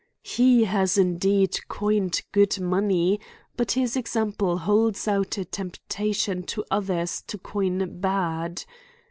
He has indeed coined good money \ bi;t bis example holds out a temptation to others to coin bad.